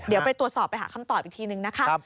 เดี๋ยวไปตรวจสอบไปหาคำตอบอีกทีนึงนะคะ